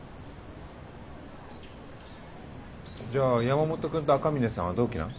じゃあ山本君と赤嶺さんは同期なん？